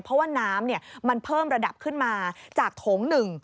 เพราะว่าน้ำมันเพิ่มระดับขึ้นมาจากโถง๑